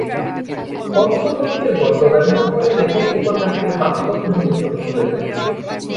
কথ্যভঙ্গির গদ্য ব্যবহার করে লেখক উপন্যাসকে বাস্তবধর্মী করে তুলেছেন।